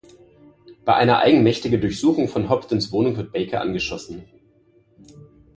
Bei einer eigenmächtigen Durchsuchung von Hobdens Wohnung wird Baker angeschossen.